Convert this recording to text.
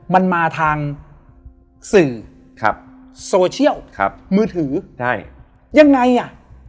มันมาทางสื่อโซเชียลเมอร์ถือยังไงอ่ะ